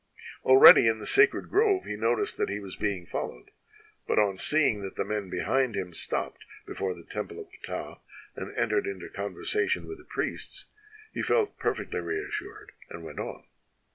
Already in the sacred grove he noticed that he was being followed, but on seeing that the men behind him stopped before the temple of Ptah and entered into conversation with the priests, he felt perfectly reassured and went on.